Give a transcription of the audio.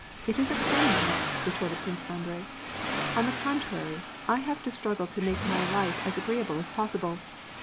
It isn't cleanly!" re torted Prince Andrei. "On the contrary, T have to struggle to make my life as agreeable as possible.